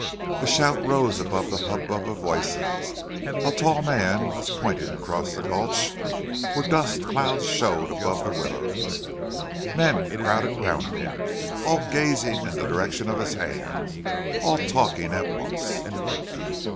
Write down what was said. A shout rose above the hubbub of voices. A tall man was pointing across the gulch where dust clouds showed above the willows. Men crowded round him, all gazing in the direction of his hand, all talking at once.